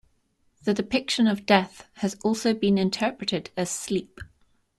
The depiction of death has also been interpreted as sleep.